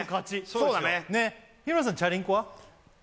そうだね日村さんチャリンコは？